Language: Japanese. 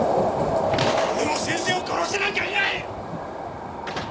俺は先生を殺してなんかいない！